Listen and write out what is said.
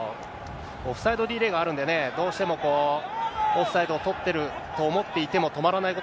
オフサイドリレーがあるんでね、どうしても、オフサイドを取ってると思っていても、止まらないこ